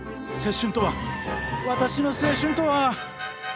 青春とは私の青春とは。